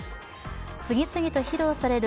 次々と披露される